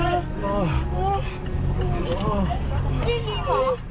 ยิงอีกหรอ